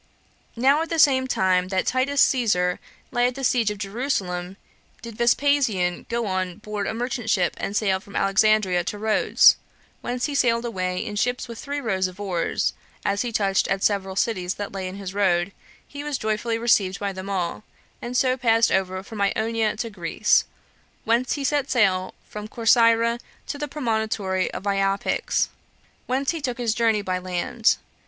Now at the same time that Titus Caesar lay at the siege of Jerusalem, did Vespasian go on board a merchantship and sailed from Alexandria to Rhodes; whence he sailed away in ships with three rows of oars; and as he touched at several cities that lay in his road, he was joyfully received by them all, and so passed over from Ionia into Greece; whence he set sail from Corcyra to the promontory of Iapyx, whence he took his journey by land.